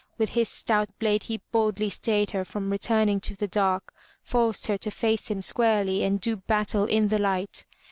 With his stout blade he boldly stayed her from returning to the dark, forced her to face him squarely and do battle in the light.